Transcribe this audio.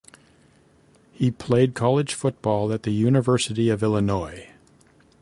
He played college football at the University of Illinois.